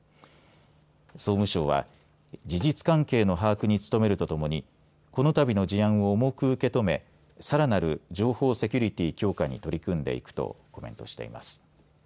総務省は事実関係の把握に努めるとともにこのたびの事案を重く受け止めさらなる情報セキュリティー強化に取り組んでいくとコメントしています。